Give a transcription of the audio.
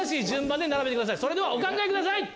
それではお考えください。